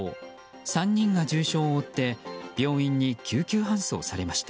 ３人が重傷を負って病院に救急搬送されました。